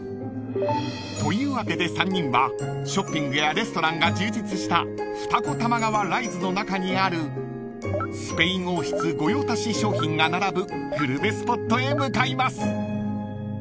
［というわけで３人はショッピングやレストランが充実した二子玉川ライズの中にあるスペイン王室御用達商品が並ぶグルメスポットへ向かいます］